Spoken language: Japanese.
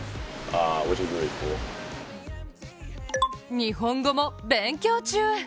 日本語も勉強中。